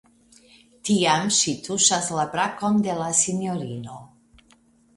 Tiam ŝi tuŝas la brakon de la sinjorino.